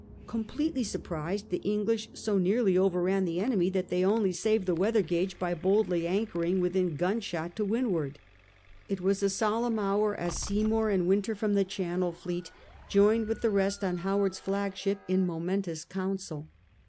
Completely surprised, the English so nearly overran the enemy that they only saved the weather gage by boldly anchoring within gun shot to windward. It was a solemn hour, as Seymour and Wynter i64 S/^ FRANCIS DRAKE chap. from the Channel fleet joined with the rest on Howard s flagship in momentous council.